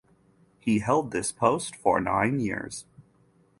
He held this post for nine years.